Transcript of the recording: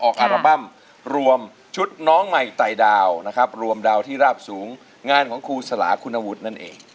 อัลบั้มรวมชุดน้องใหม่ไตดาวนะครับรวมดาวที่ราบสูงงานของครูสลาคุณวุฒินั่นเอง